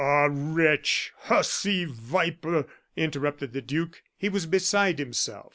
"Ah, wretch! hussy! viper!" interrupted the duke. He was beside himself.